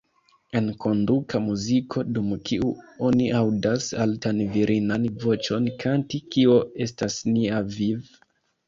Enkonduka muziko, dum kiu oni aŭdas altan virinan voĉon kanti ""Kio estas nia viv'?